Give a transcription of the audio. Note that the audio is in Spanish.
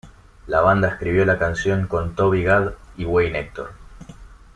La banda escribió la canción con Toby Gad y Wayne Hector.